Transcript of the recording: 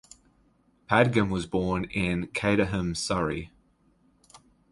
Padgham was born in Caterham, Surrey.